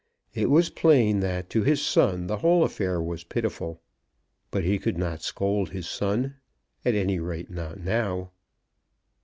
It was plain that to his son the whole affair was pitiful. But he could not scold his son; at any rate not now.